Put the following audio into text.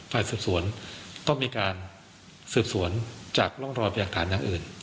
ฝ่ายสืบสวนก็มีการสืบสวนจากร่องรอยพยากฐานอย่างอื่น